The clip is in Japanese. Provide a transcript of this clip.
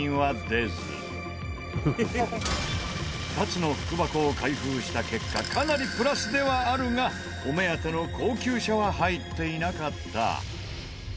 ２つの福箱を開封した結果かなりプラスではあるがお目当ての高級車は入っていなかった。